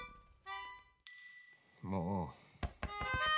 もう。